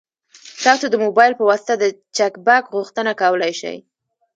تاسو د موبایل په واسطه د چک بک غوښتنه کولی شئ.